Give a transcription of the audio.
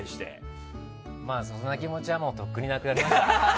そんな気持ちはとっくになくなりました。